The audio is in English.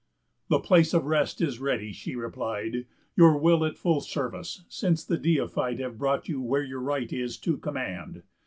"The place of rest is ready," she replied, "Your will at full serve, since the Deified Have brought you where your right is to command.